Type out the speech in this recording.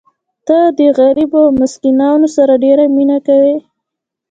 ته د غریبو او مسکینانو سره ډېره مینه کوې.